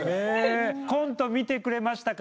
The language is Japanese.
コント見てくれましたか？